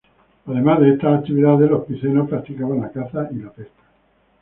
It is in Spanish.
Además de estas actividades, los picenos practicaban la caza y la pesca.